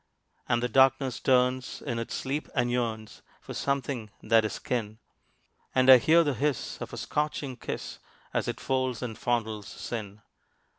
And the darkness turns in its sleep, and yearns For something that is kin; And I hear the hiss of a scorching kiss, As it folds and fondles Sin.